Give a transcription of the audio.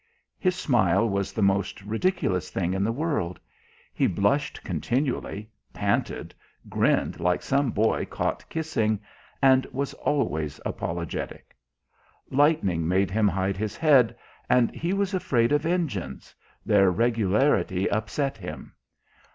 His smile was the most ridiculous thing in the world. He blushed continually, panted, grinned like some boy caught kissing, and was always apologetic. Lightning made him hide his head, and he was afraid of engines their regularity upset him.